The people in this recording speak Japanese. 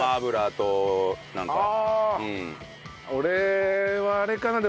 俺はあれかな？